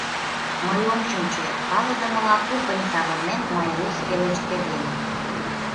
— Мый ом шинче, — палыдымыла тупынь савырнен, Майруш пелештеден.